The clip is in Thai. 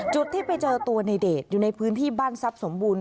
ที่ไปเจอตัวในเดชอยู่ในพื้นที่บ้านทรัพย์สมบูรณ